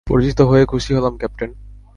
পরিচিত হয়ে খুশি হলাম, ক্যাপ্টেন।